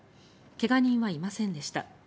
怪我人はいませんでした。